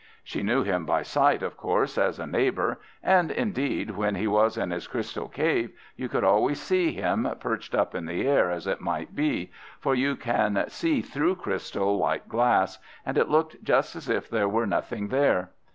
She knew him by sight, of course, as a neighbour; and, indeed, when he was in his Crystal Cave you could always see him, perched up in the air as it might be; for you can see through crystal like glass, and it looked just as if there were nothing there.